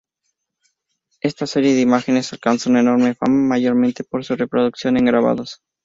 Esta serie de imágenes alcanzó enorme fama, mayormente por su reproducción en grabados.